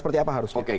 seperti apa harusnya